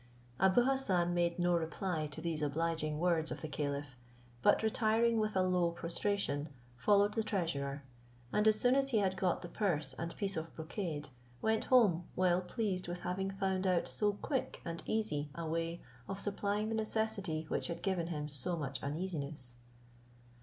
Abou Hassan made no reply to these obliging words of the caliph, but retiring with a low prostration, followed the treasurer; and as soon as he had got the purse and piece of brocade, went home, well pleased with having found out so quick and easy a way of supplying the necessity which had given him so much uneasiness.